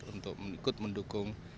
untuk ikut mendukung